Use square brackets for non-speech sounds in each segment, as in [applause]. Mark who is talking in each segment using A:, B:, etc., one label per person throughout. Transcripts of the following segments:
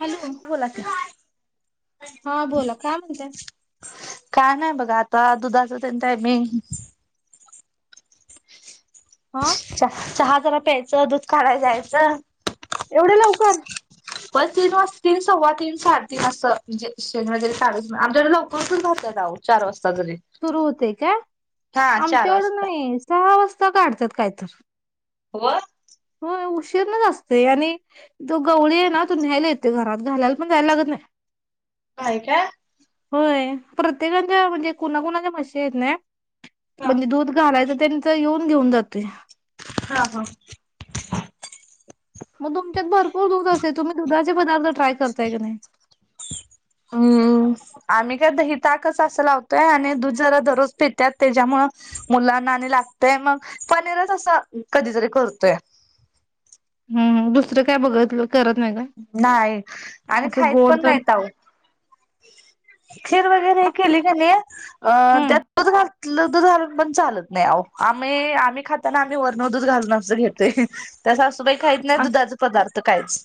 A: Hello
B: बोला की
A: हा बोला काय म्हणताय
B: काय नाही बघा आता दुधाच ते टायमिंग
A: हा
B: च चहा प्यायचं दूध काढाय जायचं
A: एवढे लवकर
B: बस तीन वाजता तीन सव्वा तीन साडेतीन अस म्हणजे शनिवारी आमच्याकडे लवकरच च राात [unintelligible] जाऊ चार वाजता जरी
A: सुरू होते का
B: हा चार
A: आमच्याकड
B: वाजता
A: नाही सहा वाजता काढतात काय तर
B: हो
A: हो उशीरानेच असते आणि तो गवळी आहे ना तू न्यायला येते घरात घालायला पण जायला लागत नाही
B: होय का
A: हो प्रत्येकच्या म्हणजे कुणाकुणाच्या म्हशी आहेत ना
B: हा
A: म्हणजे दुध घालायचं त्यांच येऊन घेऊन जातोय
B: हा हा.
A: मग तुमच्यात भरपूर दूध असतय तुम्ही दुधात चे पदार्थत
B: हम्म, आम्ही काय दही ताकच अस लावतोय आणि दूध जरा दररोज पितात त्याच्यामुळ मुलांना आणि लागतय मग पनीरच असं कधीतरी करतोय.
A: हम्म हम्म दुसरं काय बघितलो
B: नाही आणि
A: असं
B: खाईत
A: गोड
B: पण
A: तर
B: नाहीत, खीर वगैरे हे
A: असलं.
B: केली कणी अ
A: हम्म
B: त्यात दूध [unintelligible] दूध घालून पण चालत नाही अहो आम्ही आम्ही खाताना आम्ही वरून दूध घालूनच घेतोय, तस सासूबाई खाईत नाही
A: अस-
B: दुधाचे पदार्थ. तर कायच.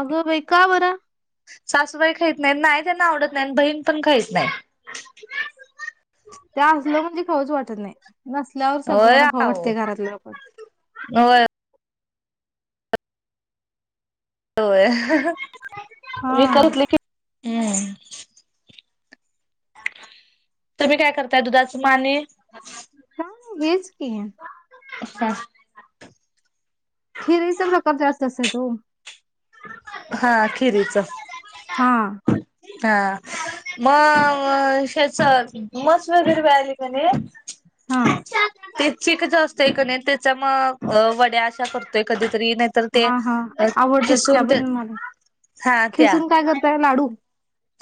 A: अगं बाई का बर?
B: सासूबाई खाईत नाहीत नाही त्यांना आवडत नाही आणि बहीण पण खाईत नाही.
A: तर नाही. नसल्यावर
B: होय
A: सगळ्यांना खाऊ
B: अहो
A: वाटत्या घरातलं पण.
B: होय होय. मी
A: हा
B: कतले की [unintelligible] तुम्ही काय करताय दुधाच म आणि.
A: काय हेच की.
B: अच्छा!
A: खिरीच प्रकार जास्त असतात ओ.
B: हा खिरीच
A: हा.
B: हा, म हेच म्हैस वगैरे मिळाली कणी
A: हा.
B: चीक जो असतोय कनी त्याचा मग वड्या अशा करतोय, कधी
A: हा हा, आवडतात [unintelligible]
B: ते
A: पण मला,
B: हा त्या
A: खिसून काय करताय लाडू?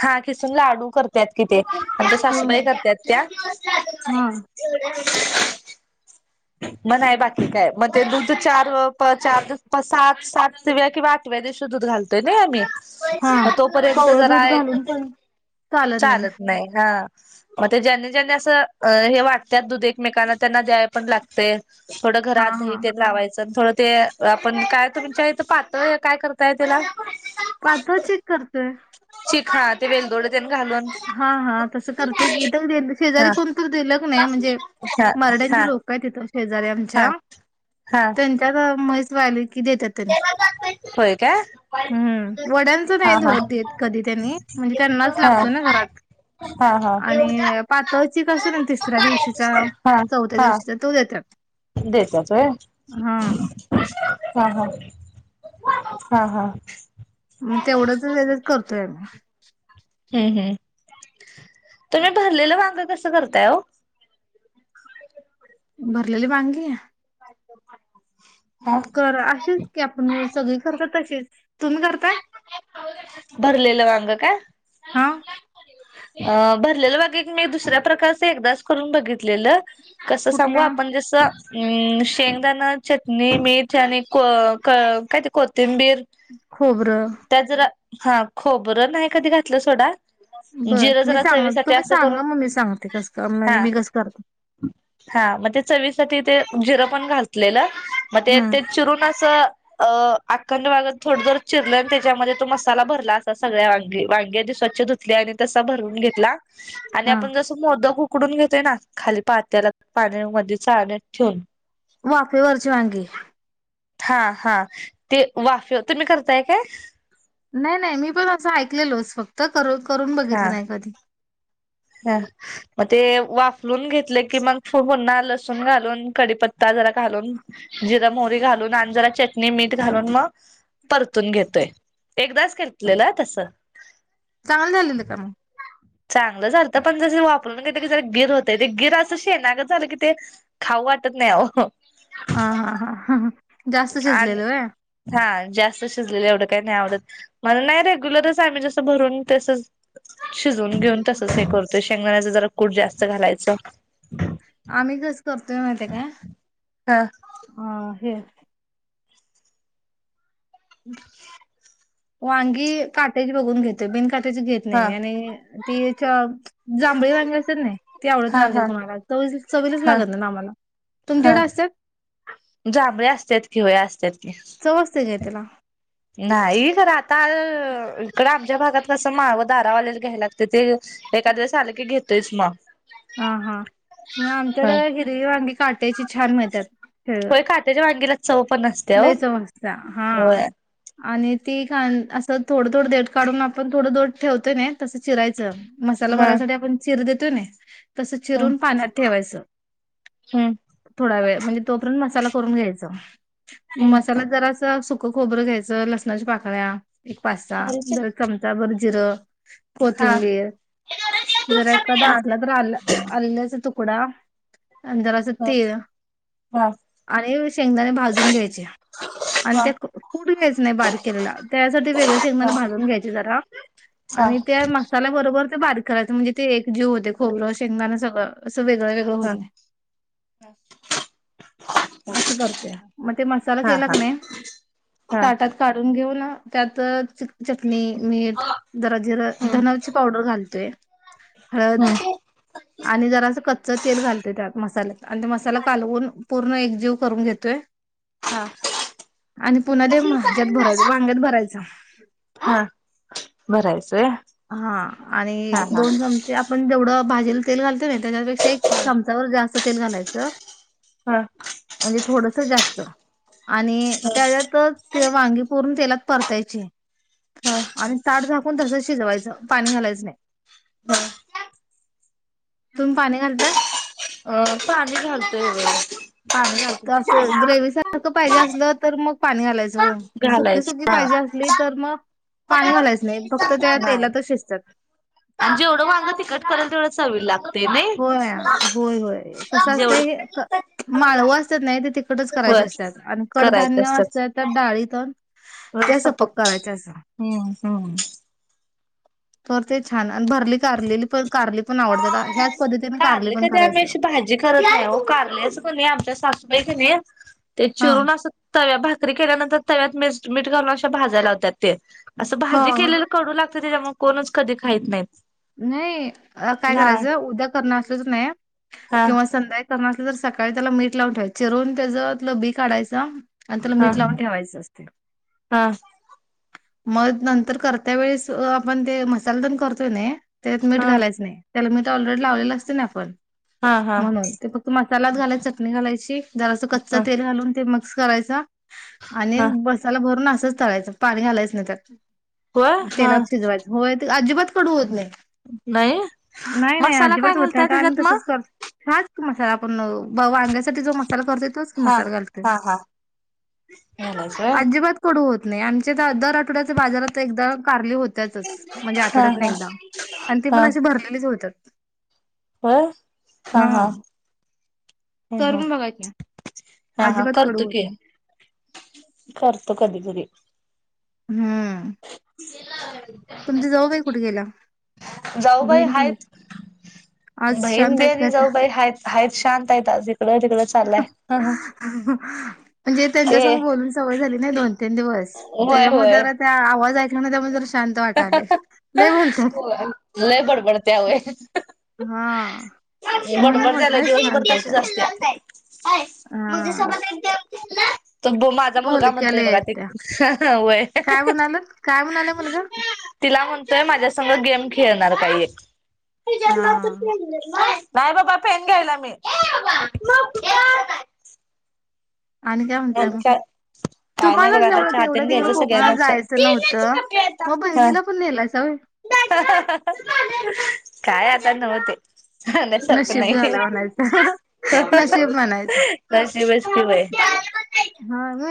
B: हा खिसून लाडू करतात कि ते. आमच्या
A: होय
B: सासूबाई
A: होय
B: करतात त्या.
A: हा
B: [inaudible] म नाय बाकी काय म ते दूध चार अ प चार सात सातव्या किंवा आठव्या दिवशी दूध घालतोय नाही आम्ही.
A: हा.
B: ह तोपर्यंत
A: कवळं
B: जरा
A: दूध घालून पण
B: चालत नाही हा. म ते ज्यांनी ज्यांनी असं हे वाटत दूध एकमेकांना त्यांना द्या पण लागतय. थोडं
A: हा
B: घरात दही
A: हा
B: ते लावायचं. थोडं ते आपण काय तुमच्या इथं पाहतय काय करताय त्याला
A: पाताळ चिक करतोय.
B: चिक हा ते वेलदोड तेन घालून
A: हा हा तसं करतोय की तर शेजारी
B: हा
A: कोणत दिल क नाही म्हणजे
B: हा
A: मरठ्याचे
B: हा
A: लोक काय ती कृर शेजारी
B: हा
A: आमच्या
B: हा
A: त्यांच्यात मैह्स व्याली ती देतात त्यांनी
B: होय काय
A: वड्यांच
B: हा
A: नाहीत देत
B: हा
A: कधी त्यांनी म्हणजे त्यांनाच
B: हा
A: लागत ात
B: हा हा
A: आणि पातळची कस ना तिसऱ्या दिवशीचा
B: हा
A: चौथ्या
B: हा
A: दिवशीचा तो देत [unintelligible]
B: देतात होय हा हा हा हा
A: मग तेवढंच त्याच करतोय आ म्ही [unintelligible]
B: हम् हम् तुम्ही भरलेलं वांगर कसं करताय हो
A: भरलेली वांगी
B: [unintelligible]
A: कर असेच की आपण सगळी करत तशीच तुम्ही करताय
B: भरलेलं वांग काय
A: हा
B: अ भरलेलं बाघ मी दुसऱ्या प्रकारच एकदाच करून बघितलेलं कसं सांगू
A: कुठल्या
B: आपण जसं हम् शेंगदाण चटणी मीठ आणि को क काय ते कोथ
A: खोबरं
B: तर हा खोबरं नाह्य कधी घातलं सोडा
A: बर
B: जिरं
A: मी
B: जरा
A: सांग
B: चवीसाठी
A: तुम्ही
B: असं करून
A: सांगा मम्मी सांगते कस
B: हा
A: म्हणजे मी कस करते
B: तिथे जिरं पण घातलेलं म ते
A: हम्म
B: ते चिरून अस अ आकंड वांग थोड थोड चिरलं ते त्या्यामध्ये तो मसाला भरला असा सगळ्या वांगे वांगी स्वच्छ धुतली आणि तसा भरून घेतला आणि
A: हा
B: आपण जस मोदक वूक उकडून घेतोय ना खाली पात्यालाते पाण्या मध्ये चालण्यात ठेवून
A: वाफे वरचे वांगी
B: हा हा ते वाफि तुम्ही करताय काय
A: नाही नाही मी पण असं ऐकलेलोच फक्त. करू करून बघितलं नाय कधी
B: ह मग ते वाफलून घेतले की मग पु पुन्हा लसूण घालून कडीपत् त जरा घालुन जी मोहरी घालून आणि जरा चटणी मीठ घालून मग परतून घेतोय एकदाच घेतलेलं हं तस.
A: चांगलं झालेल का मग.
B: चांगलं झालंत पण जसजस वापरून घेत की जर गिर होतेय ते गिर असं शेनागत झालं की ते खाऊ वाटत नाही आओ.
A: हा, हा, हा, हं.
B: आणि हा जास्त शिजलेलं एवढं काय नाही आवडत. मला नाही रेग्युलरच आम्ही जस भरून तसच शिजवून घेऊन तसच हे करतोय. शेंगदाण्याचा जरा कूट जास्त घालायचा.
A: आम्ही कस करतोय माहितेय काय?
B: हा
A: अ हे वांगी काटेच बघून घेतोय बिनकाटे ची घेत नाही
B: हा
A: मी आणि तिच्या जांभळी वांगी असत्यात नाय ती आवडत नाही
B: हा
A: आमच्यात
B: हा
A: कुणाला च चवीलच
B: हा
A: लागत नाही आम्हाला
B: हा
A: तुमच्याकडे असतात.
B: जांभळे असत्यात की होय असत्यात की.
A: चव असते काय? त्याला.
B: या भागात कस माळव दारावर आलेल घ्यायला लागते, ते एखाद्या वेळेस आलं की घेतेस म.
A: हा हा मग आमच्याकड हिरवी वांगी काट टयची छान मीळतात
B: होय [unintelligible] नसते हो
A: लई चव असता हा
B: होय
A: आणि ती खां असं थोडं थोडं देठ काढून आपण थोडं देठ ठेवतोय तसं चिरायचं मसाला
B: हा
A: भरायसाठी आपण चिर देत तो नाहीस. तस
B: हम्म
A: चिरून पाण्यात ठेवायचं
B: हम्म
A: थोडा वेळ म्हणजे तोपर्यंत मसाला करून घ्यायचा
B: हम्म
A: मसाला जरासा सु क खोबरं घ्यायचं लसणाच्या पाकळ्या पास्ता दर चमचा भर जीर
B: हा
A: कोथिंबीर जर एखादा
B: हा
A: असलं तर आ आल्याच तुक [unintelligible] जरास
B: हा
A: तेल
B: हा
A: आणि शेंगदाणे भाज घ्यायचे आणि ते कुट घ्यायचं नाही बारीक केलेला त्यासाठी वेगळे शेंगदाणे भाजून घ्यायचे जरा
B: हा
A: आणि ते मसाल्याबरोबर बारीक कराचं म्हणजे ते एक जे होते खोबरं शेंगदान सगळं असं वेगळं वेगळं होतय असं करतया ते मसाला
B: हा हा हा
A: केला क
B: हा
A: नाय
B: हा
A: ताटत काढून घ्या घेऊन त्यात चिक चि चटणी मीठ जरा जिर
B: हम्म
A: धन्याची पावडर घालतोय हळद
B: हम्म
A: आणि जरास कच्च तेल घालतोय त्यात मसाल्यात आणि ते मसाला कालवून पूर्ण एकजीव करून घेतोय.
B: हा
A: आणि पुन्हा ते ह्याच्यात भरायच वांग्यात भरायच
B: हा भरायचंय हा
A: हा आणि
B: हा
A: दोन चमचे आपण जेवढं भाजीला तेल घालतो नाही त्याच्यापेक्षा एक चमचावर जास्त तेल घालायचं अ.
B: हा
A: म्हणजे थोडस जास्त. बर आणि त्याच्यातच वांगी पुर्ण तेलात. परतायचे.
B: हा हा
A: आणि ताट भाग पण तसं शिजवायचं पाणी घालायचं नाही तुम्ही पाणी घालता.
B: अं पाणी घालतोय वर.
A: त अस ग्रेवी सारखं पाहिजे असलं तर मग पाणी घालायचं हो सुकी सुकी
B: घालायचं हा
A: पाहिजे असली तर मग पाणी घालायच नाही फक्त त्या
B: नाही
A: तेलातच शिजतात.
B: जेवढं वांगं तिखट कराल तेवढं चवीला लाग
A: होय होय होय कसं असतं हे
B: जेवढ
A: माळव असतात नाही ते तिखटच
B: होय
A: करायच्या असत्यात आणि कडधांन्य असतात त्या डाळीतून त्या सपक करायच्या असतात.
B: हम्म हम्म
A: तर ते छान आणि भरली कारलेली पण कारली पण आवडत्यात ह्याच कारली
B: कारले
A: पण
B: कधी आम्ही
A: करायचं.
B: अशी भाजी करत नाही हो कारले असं कोणी अभ्यास [unintelligible] ते
A: हा.
B: चिरून अस तव्या भात कधी केल्यानंतर तव्यात मीस मीठ घालून अश्या भाजाय लावत्यात ते असं भाजी
A: हा
B: केलेलं कडू लाग त त्याजामुळे कोणच कधी खाईत नाहीत
A: न्हाई. अ काय
B: नाय
A: करायचं उद्या करणं असलं की नाय
B: हा
A: किंवा संध्याकाळी करणार तु जर सकाळी त्याला मीठ लावून ठेवायच चिरून त्याज आतल बी काढायच आणि त्याला
B: हा
A: मीठ लावून ठेवायचं असत
B: हा
A: मग नंतर कर त्या वेळेस अ आपण ते मसाल्यातून करतोय नये त्यात मीठ
B: हा
A: घालायचं नाइ. त्याला मीठ ऑलरेडी लावलेल असते ना, आपण
B: हा हा
A: म्हणून ते फक्त मसालात घालायच चटणी घालायची जरासं कच्च
B: हा
A: तेल घालून ते मग सरायचा आणि
B: हा
A: मसाला भरून अस. सच तळायच पाणी घालायच नाही त्यात
B: होय हा
A: तेलात शिजवायचं होय अजिबात कडू होत नाही.
B: नाही
A: नाही नाही
B: मसाला काय
A: अजिबात होत नाही
B: घालताय
A: तर आम्ही
B: त्याच्यात
A: तसंच
B: मग
A: करतो हाच मोठा व आपण वांग्याच्या त तिय जो मसाल करतोय तोच
B: हा
A: मसाला
B: हा हा घालायचं होय
A: घालतोयअजिबात कडू होत नाही आमच्या त दर आठवड्याचे बाजारात एकदा कारली होती. त्याचच म्हणजे
B: हा
A: आठवडत नाही
B: हा
A: एकदा. आणि ते पण
B: हा
A: अशी भरलेलीच होतात.
B: होय हा हा हम्म
A: करून बघा की
B: हम्म हा हा
A: अजिबात कडू होत
B: करतोकी
A: नाही
B: ते करतो कधी कधी.
A: हम्म
B: [unintelligible]
A: तुमची जाऊबाई कुठे गेल्या
B: जाऊबाई
A: बहीण तुम्ही
B: हायच
A: आज
B: बहीण
A: शांत
B: बी
A: आहेत
B: आणि
A: का त्या
B: जाऊबाई हा हाच शांत आहेत आज इिकड तिकड
A: म्हणजे
B: ते
A: त्यांच्यास बोलून सवय झाली नाही दोन तीन दिवस
B: होय होय
A: त्याच्यामध्येरा त्या आवाज. ताई थांबा थांबा जरासं. शांत वाटाले लय बोलत्यात.
B: होय लय बडबडत. त्यावे.
A: हा म्हणून
B: बडबडत्या
A: म्हटलंय शांत येतात.
B: अय मजेसबतती [unintelligible] तो माझा मुलगा
A: बोलक्याला
B: म्हणतोय बघा
A: आहेत त्या
B: त वय
A: काय म्हणालात काय म्हणालाय मुलगा
B: तिला म्हणतोय माझ्या- गेम खेळणार काही एक.
A: हा
B: [unintelligible] नाही बाबा पेन घ्यायला मी
A: आणि काय म्हणताय मग
B: काय नाही बघा
A: तुम्हालाच
B: आता
A: एवढं
B: चहा
A: तेवढं
B: तेन
A: तिकडं
B: घ्यायचं
A: कोकणात
B: सगळ्यांना
A: जायचं नव्हतं मग बहिणीला पण नेलायचवय
B: काय आता नव्हते शात
A: नशीब
B: नाही
A: झाला म्हणायचं नशीब म्हणायचं
B: शिवेय किवाय
A: हा मी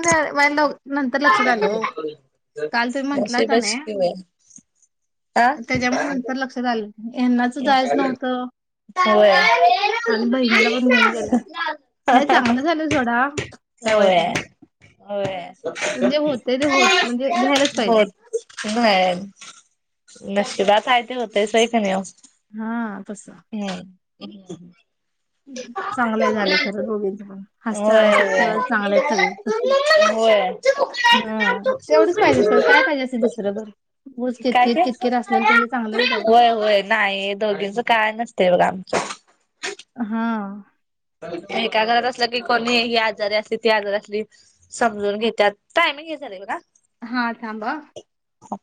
A: नंतर लक्षात आलो काल तुम्ही म्हंटला का
B: नशीबच
A: नाही
B: की बाई आ
A: त्याच्यामुळे नंतर लक्षात आलं यांनाच जायचं नव्हतं आणि बहिणीला पण घेऊन गेलाय नाही चांगलं झालं सोडा
B: होय
A: काय
B: हो
A: वाईट नाही
B: हो हो
A: जे
B: कि
A: होतंय ते होत म्हणजे घ्यायलाच पाहिजे.
B: ाय ते होते स खणि
A: हा तस
B: हम्
A: चांगलंय झाले खरं रोगींचण
B: होय होय होय
A: हां तेवढंच पाहिजे असतं काय पाहिजे असतं दुसरं बरं. उगच
B: काय ते
A: किटकिट किटकिट असलेलं त्याचे चांगलं होईल अहो.
B: होय होय नाही दोघींच काय नसतय बघा अचछ
A: हा
B: एका घरात असलं की कोणी ही आजारी असली ती आजारी असली समजून घेतात टायम घ्याचले बघ
A: हा थांबा
B: ह